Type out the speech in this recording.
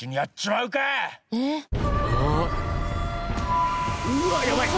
うわっやばい！